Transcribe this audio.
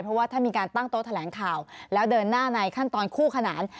เพราะว่าถ้ามีการตั้งโต๊ะแถลงข่าวแล้วเดินหน้าในขั้นตอนคู่ขนาน